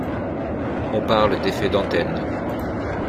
On parle d'effet d'antenne.